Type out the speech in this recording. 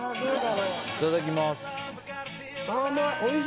いただきます。